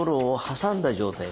挟んだ状態。